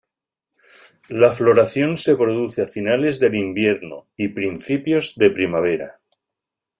La floración se produce a finales del invierno y principios de primavera.